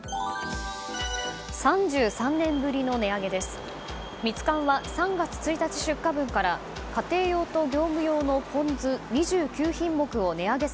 ３３年ぶりの値上げです。